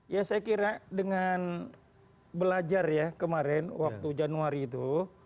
ya saya kira dengan belajar ya kemarin waktu januari itu